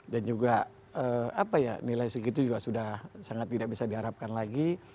dan juga apa ya nilai segitu juga sudah sangat tidak bisa diharapkan lagi